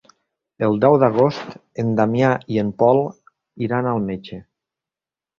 El deu d'agost en Damià i en Pol iran al metge.